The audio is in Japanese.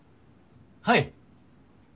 はい。